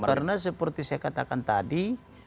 ya tentu karena seperti saya katakan tadi